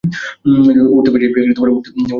উঠতে পারছি না আমি।